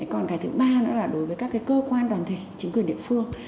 còn cái thứ ba nữa là đối với các cơ quan đoàn thể chính quyền địa phương